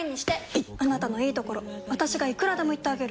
いっあなたのいいところ私がいくらでも言ってあげる！